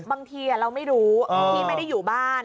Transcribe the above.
บางทีเราไม่รู้ที่ไม่ได้อยู่บ้าน